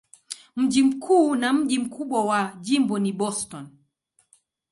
Mji mkuu na mji mkubwa wa jimbo ni Boston.